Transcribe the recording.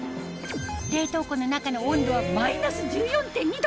冷凍庫の中の温度はマイナス１４．２℃